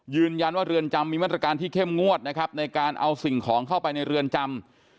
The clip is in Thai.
ยืนยันว่าเรือนจำมีมาตรการที่เข้มงวดนะครับในการเอาสิ่งของเข้าไปในเรือนจำ